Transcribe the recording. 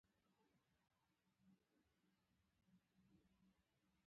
مقامونه، چاربیتې، بدلې، بګتی، لوبې، کیسې او داستانونه